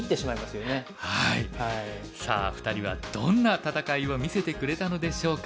さあ２人はどんな戦いを見せてくれたのでしょうか？